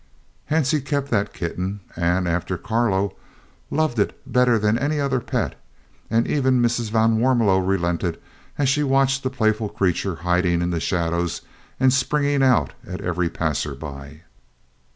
Hansie kept that kitten and, after Carlo, loved it better than any other pet, and even Mrs. van Warmelo relented as she watched the playful creature hiding in the shadows and springing out at every passer by.